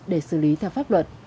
để xử lý theo pháp luật